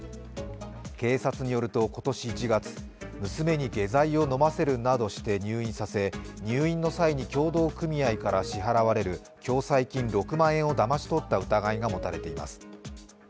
警察によると今年１月、娘に下剤を飲ませるなどして入院させ、入院の際に協同組合から支払われる共済金６万円をだまし取った疑いが持たれています。